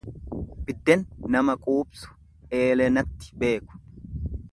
Bidden nama quubsu eelenatti beeku.